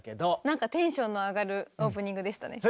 なんかテンションの上がるオープニングでしたね。